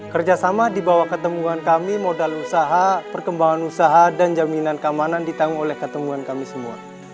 kerjasama dibawah katemungan kami modal usaha perkembangan usaha dan jaminan keamanan ditanggung oleh katemungan kami semua